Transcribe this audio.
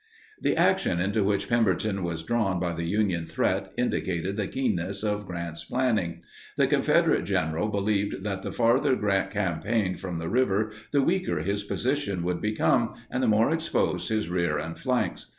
The action into which Pemberton was drawn by the Union threat indicated the keenness of Grant's planning. The Confederate general believed that the farther Grant campaigned from the river the weaker his position would become and the more exposed his rear and flanks.